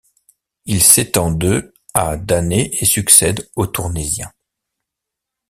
Il s'étend de à d'années et succède au Tournaisien.